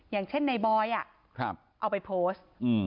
อย่างเช่นในบอยเอาไปโพสต์